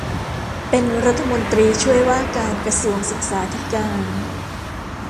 เป็นรัฐมนตรีช่วยว่าการกระทรวงศึกษาธิการ